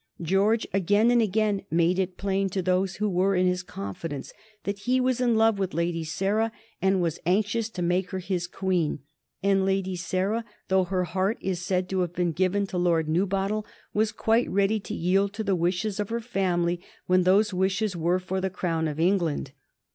George again and again made it plain to those who were in his confidence that he was in love with Lady Sarah, and was anxious to make her his queen; and Lady Sarah, though her heart is said to have been given to Lord Newbottle, was quite ready to yield to the wishes of her family when those wishes were for the crown of England.